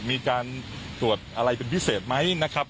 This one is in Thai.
มีการตรวจอะไรเป็นพิเศษไหมนะครับ